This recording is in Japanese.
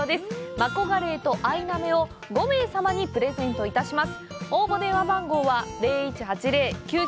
「マコガレイ＆アイナメ」を５名様にプレゼントいたします。